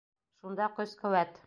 Шунда көс-ҡеүәт.